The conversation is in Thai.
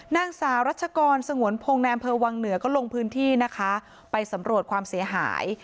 นางสาวรัชกรสงวนพงศ์ในอำเภอวังเหนือก็ลงพื้นที่นะคะไปสำรวจความเสียหาย